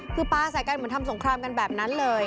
คือปลาใส่กันเหมือนทำสงครามกันแบบนั้นเลย